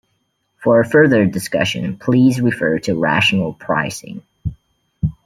"For further discussion, please refer to Rational pricing".